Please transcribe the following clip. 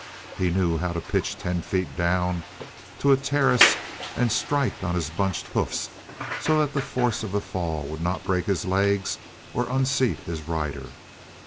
He knew how to pitch ten feet down to a terrace and strike on his bunched hoofs so that the force of the fall would not break his legs or unseat his rider.